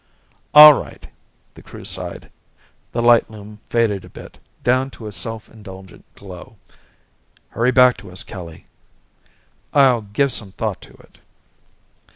"All right," the Crew sighed. The light loom faded a bit, down to a self indulgent glow. "Hurry back to us, Kelly." "I'll give some thought to it."